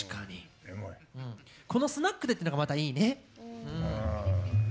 このスナックでっていうのがまたいいね。